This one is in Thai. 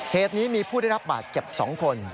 เหตุนี้มีผู้ได้รับบาดเจ็บ๒คน